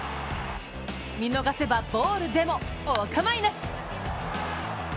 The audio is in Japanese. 見逃せばボールでも、お構いなし。